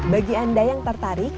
bagi anda yang tertarik